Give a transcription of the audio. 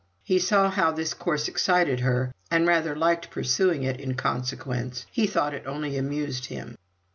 He saw how this course excited her, and rather liked pursuing it in consequence; he thought it only amused him.